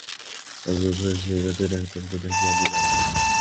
আমি তৎক্ষণাৎ সেই রাত্রেই ডাক্তারকে ডাকিয়া আনিলাম।